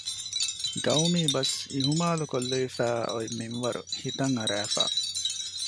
ޤައުމީ ބަސް އިހުމާލުކޮށްލެވިފައި އޮތް މިންވަރު ހިތަށް އަރައިފަ